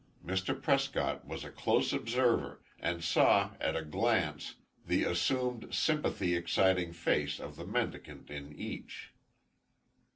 Mr. Prescott was a close observer, and saw, at a glance, the assumed sympathy exciting face of the mendicant in each.